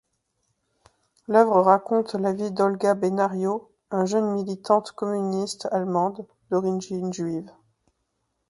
L'œuvre raconte la vie d'Olga Benário, un jeune militante communiste allemande, d'origine juive.